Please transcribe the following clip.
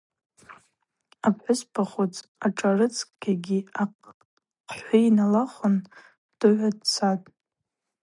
Апхӏвыспа хвыц, ашӏарыцкьаги ахъхӏви налахвын, дыгӏвуа дцатӏ.